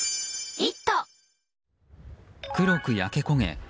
黒く焼け焦げ